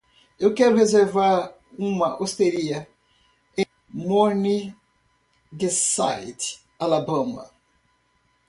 Eu quero reservar uma osteria em Morningside Alabama.